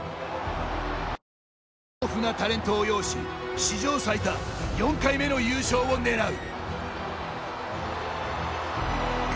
豊富なタレントを擁し史上最多、４回目の優勝を狙う。